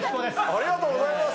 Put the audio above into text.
ありがとうございます。